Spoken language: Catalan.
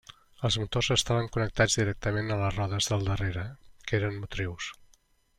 Els motors estaven connectats directament a les rodes del darrere, que eren motrius.